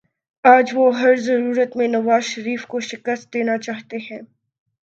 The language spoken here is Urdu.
آج وہ ہر صورت میں نوازشریف صاحب کو شکست دینا چاہتے ہیں